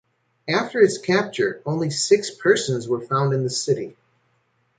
After its capture only six persons were found in the city.